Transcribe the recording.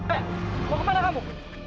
eh mau kemana kamu